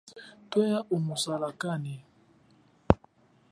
Thweya umu salakane.